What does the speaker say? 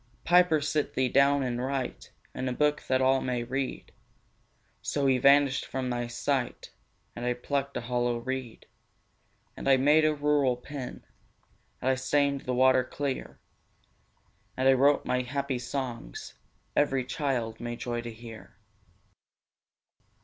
'Piper, sit thee down and write In a book, that all may read.' So he vanished from my sight; And I plucked a hollow reed, And I made a rural pen, And I stained the water clear, And I wrote my happy songs Every child may joy to hear.